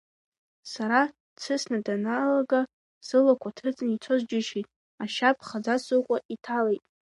Сара дсысны данаалга, сылақәа ҭыҵны ицоз џьысшьеит, ашьа ԥхаӡа сыкәа иҭалеит.